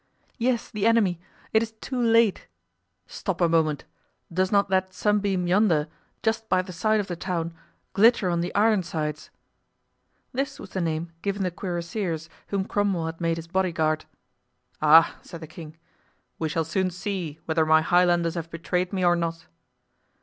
"Yes, the enemy. It is too late. Stop a moment; does not that sunbeam yonder, just by the side of the town, glitter on the Ironsides?" This was the name given the cuirassiers, whom Cromwell had made his body guard. "Ah!" said the king, "we shall soon see whether my Highlanders have betrayed me or not."